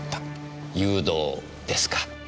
誘導ですか？